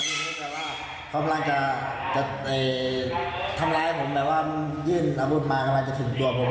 ทีนี้แต่ว่าเขากำลังจะทำร้ายผมแบบว่ายื่นอาวุธมากำลังจะถึงตัวผม